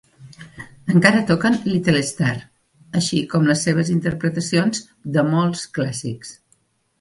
Encara toquen "Little Star", així com les seves interpretacions de molts clàssics.